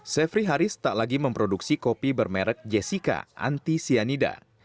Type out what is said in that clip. sefri haris tak lagi memproduksi kopi bermerek jessica anti cyanida